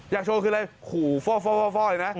อยากโชว์คืออะไรขูฟ้อเลยนะ